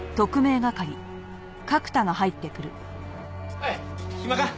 おい暇か？